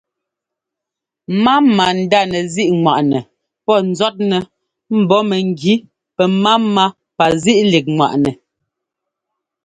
Máma ndá nɛzíꞌŋwaꞌnɛ pɔ́ ńzɔ́tnɛ mbɔ̌ mɛgí pɛ́máma pazíꞌlíkŋwaꞌnɛ.